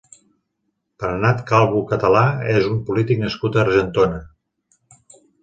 Bernat Calvo Català és un polític nascut a Argentona.